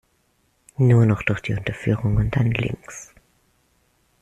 Nur noch durch die Unterführung und dann links.